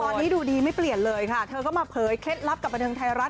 ตอนนี้ดูดีไม่เปลี่ยนเลยค่ะเธอก็มาเผยเคล็ดลับกับบันเทิงไทยรัฐ